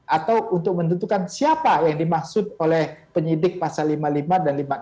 atau untuk menentukan siapa yang dimaksud oleh penyidik pasal lima puluh lima dan lima puluh enam